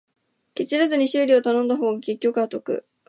ケチらずに修理頼んだ方が結局は得